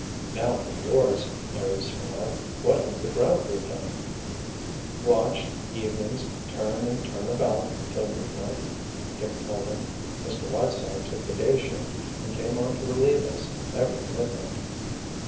"Now for yours," Larry smiled. "What has the Ground Crew done?" "Watched, evenings, turn and turn about, till midnight," Dick told him. "Mr. Whiteside took the day shift and came on to relieve us every midnight."